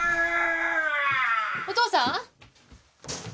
・お父さん！？